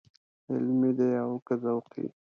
علمي دی او که ذوقي.